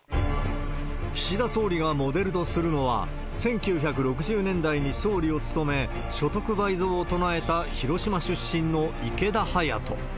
岸田総理がモデルとするのは、１９６０年代に総理を務め、所得倍増を唱えた広島出身の池田勇人。